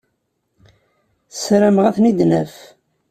Ssarameɣ ad ten-id-naf.